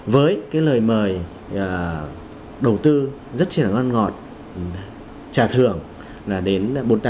với cái lời mời đầu tư rất là ngon ngọt trà thưởng là đến bốn mươi tám